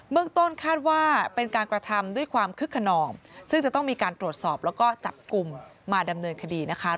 เมืองต้นคาดว่าเป็นการกระทำด้วยความคึกขนองซึ่งจะต้องมีการตรวจสอบแล้วก็จับกลุ่มมาดำเนินคดีนะคะ